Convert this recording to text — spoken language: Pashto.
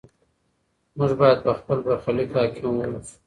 موږ باید په خپل برخلیک حاکم واوسو.